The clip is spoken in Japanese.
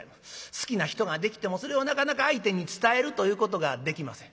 好きな人ができてもそれをなかなか相手に伝えるということができません。